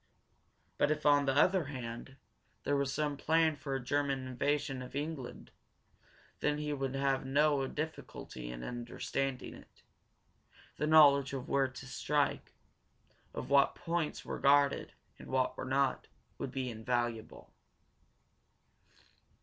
But if, on the other hand, there was some plan for a German invasion of England, then he would have no difficulty in understanding it. Then knowledge of where to strike, of what points were guarded and what were not, would be invaluable.